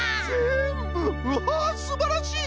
うわすばらしい！